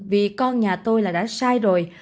vì con nhà tôi là đã sai rồi